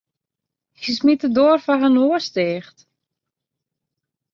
Hy smiet de doar foar har noas ticht.